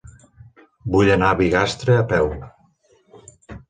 Vull anar a Bigastre a peu.